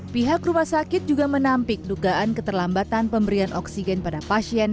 pihak rumah sakit juga menampik dugaan keterlambatan pemberian oksigen pada pasien